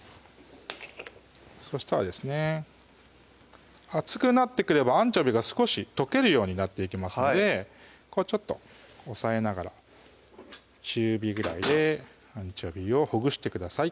そしたらですね熱くなってくればアンチョビーが少し溶けるようになっていきますのでちょっと押さえながら中火ぐらいでアンチョビーをほぐしてください